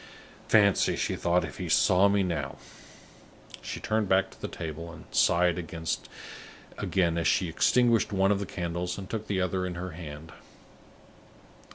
"Fancy," she thought, "if he saw me now!" She turned back to the table, and sighed again as she extinguished one of the candles and took the other in her hand.